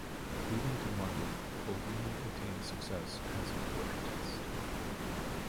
Moving to London, Boldini attained success as a portraitist.